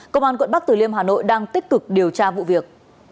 công an quận bắc tử liêm hà nội đang tích cực điều tra vụ việc